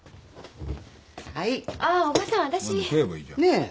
ねえ。